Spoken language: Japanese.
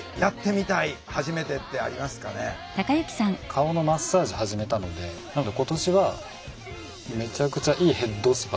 顔のマッサージ始めたのでなので今年はめちゃくちゃいいヘッドスパ。